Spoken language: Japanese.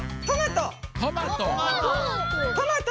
トマト。